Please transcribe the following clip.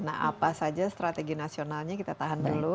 nah apa saja strategi nasionalnya kita tahan dulu